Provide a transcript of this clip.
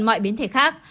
mọi biến thể khác